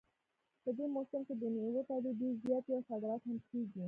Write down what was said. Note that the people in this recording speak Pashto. په دې موسم کې د میوو تولید ډېر زیات وي او صادرات هم کیږي